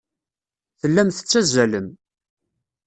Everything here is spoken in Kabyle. Tellam tettazzalem.